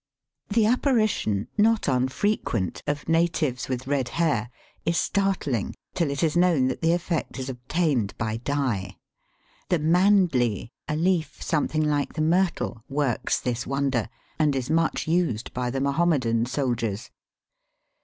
The apparition, not unfrequent, of natives Digitized by VjOOQIC 238 EAST BY WEST. with red hair is startling till it is known that the effect is obtained by dye. The mandlee, a leaf something like the myrtle, works this wonder, and is much used by the Mahomedan soldiers.